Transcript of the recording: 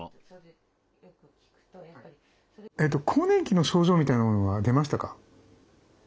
更年期の症状みたいなものは出ましたか？